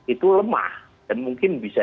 itu lemah dan mungkin bisa